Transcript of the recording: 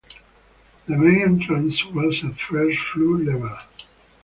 The main entrance was at first floor level.